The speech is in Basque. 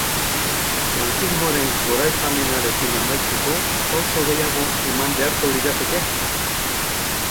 Frankismoaren goraipamenarekin amaitzeko pauso gehiago eman beharko lirateke?